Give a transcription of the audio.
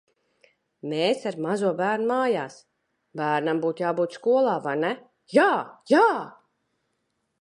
Mēs ar mazo bērnu mājās. Bērnam būtu jābūt skolā, vai ne? Jā! Jā!